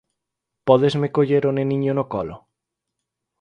Pódesme coller o neniño no colo?